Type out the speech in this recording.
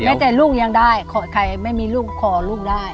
แต่ลูกยังได้ใครไม่มีลูกขอลูกได้